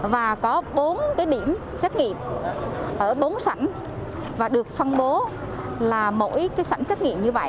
và có bốn cái điểm xét nghiệm ở bốn sảnh và được phân bố là mỗi cái sảnh xét nghiệm như vậy